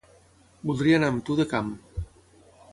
Voldria anar amb tu de cam